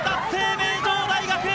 名城大学！